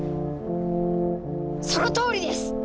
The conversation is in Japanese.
そのとおりです！